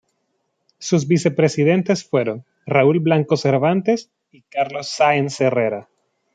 Sus vicepresidentes fueron Raúl Blanco Cervantes y Carlos Sáenz Herrera.